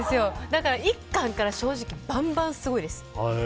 だから１巻からバンバンすごいです。